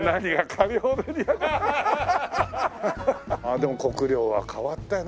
でも国領は変わったね。